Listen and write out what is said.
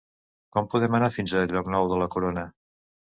Com podem anar fins a Llocnou de la Corona?